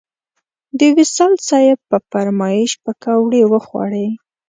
د وصال صیب په فرمایش پکوړې وخوړې.